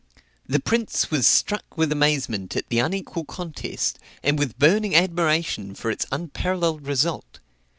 The prince was struck with amazement at the unequal contest, and with burning admiration for its unparalleled result.